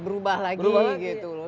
berubah lagi gitu loh